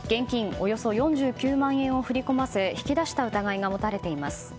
およそ４９万円を振り込ませ引き出した疑いが持たれています。